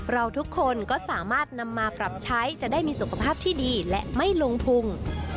เราทุกคนก็สามารถนำมาปรับใช้จะได้มีสุขภาพที่ดีและไม่ลงทุน